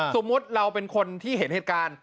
สมมุติเราเป็นคนที่เห็นเหตุการณ์